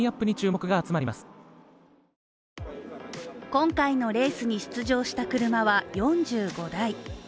今回のレースに出場した車は４５台。